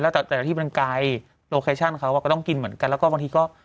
แล้วแต่ที่มันไกลโลเคชั่นเขาก็ต้องกินเหมือนกันแล้วก็บางทีก็